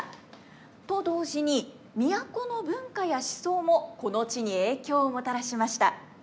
と同時に都の文化や思想もこの地に影響をもたらしました。